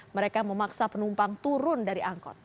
mereka memaksa penumpang turun dari angkot